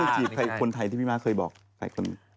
ไม่เขาเคยจีบใครคนไทยที่พี่มากเคยบอกใครคุณ